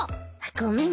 ごめん。